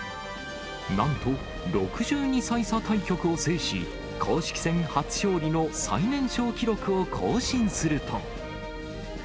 なんと６２歳差対局を制し、公式戦初勝利の最年少記録を更新すると。